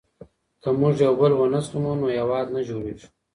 که موږ يو بل ونه زغمو نو هېواد نه جوړېږي.